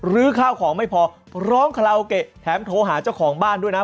ื้อข้าวของไม่พอร้องคาราโอเกะแถมโทรหาเจ้าของบ้านด้วยนะ